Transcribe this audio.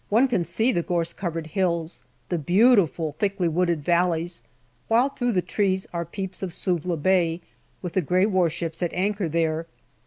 one can see the gorse covered hills, the beautiful, thickly wooded valleys, while through the trees are peeps of Suvla Bay with the grey warships at anchor there.